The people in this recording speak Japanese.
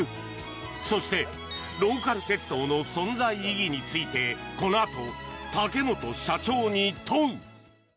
そして、ローカル鉄道の存在意義についてこのあと竹本社長に問う。